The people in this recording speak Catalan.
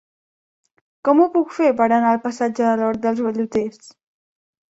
Com ho puc fer per anar al passatge de l'Hort dels Velluters?